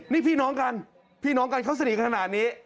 นี่พี่น้องกันเขาสนิกขนาดนี้